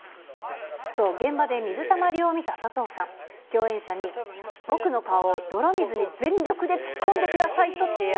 そう、現場で水たまりを見た佐藤さん、共演者に、僕の顔を泥水に全力で突っ込んでくださいと提案。